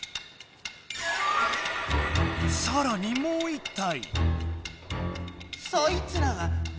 さらにもう１体。